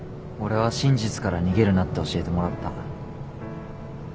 俺は真実から逃げるなって教えてもらった。